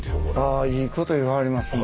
あいいこと言わはりますね。